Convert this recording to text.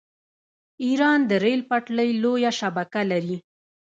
ایران د ریل پټلۍ لویه شبکه لري.